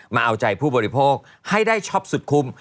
มาเอาใจผู้บริโภคให้ได้ช็อปสุดคุ้ม